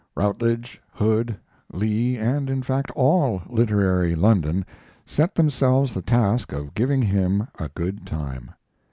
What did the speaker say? Routledge, Hood, Lee, and, in fact, all literary London, set themselves the task of giving him a good time.